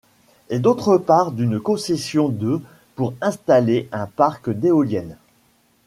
Et d'autre part d'une concession de pour installer un parc d'éoliennes.